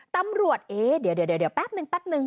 ตำรวจเอ๊ะเดี๋ยวเดี๋ยวเดี๋ยวเดี๋ยวแป๊บหนึ่งแป๊บหนึ่ง